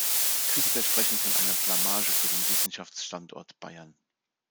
Kritiker sprechen von einer „Blamage für den Wissenschaftsstandort Bayern“.